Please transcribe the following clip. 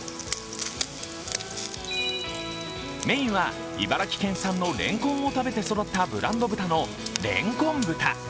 メインは、茨城県産のれんこんを食べて育ったブランド豚の蓮根豚。